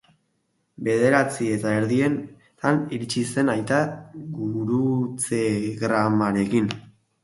Bederatzi eta erdietan iritsi zen aita gurutzegramarekin.